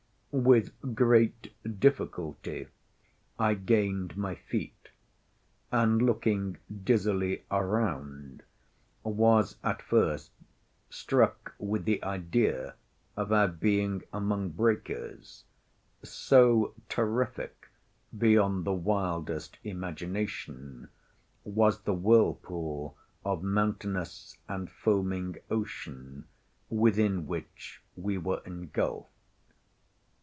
With great difficulty I gained my feet, and looking dizzily around, was, at first, struck with the idea of our being among breakers; so terrific, beyond the wildest imagination, was the whirlpool of mountainous and foaming ocean within which we were engulfed.